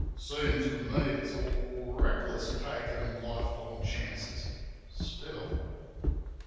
Seems to me it's awful reckless takin' lifelong chances — still